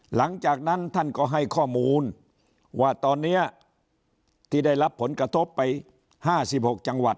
หลังจากนั้นท่านก็ให้ข้อมูลว่าตอนนี้ที่ได้รับผลกระทบไป๕๖จังหวัด